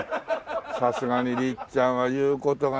さすがにりっちゃんは言う事がね